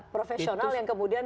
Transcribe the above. profesional yang kemudian